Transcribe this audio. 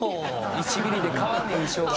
１ミリで変わるねん印象が。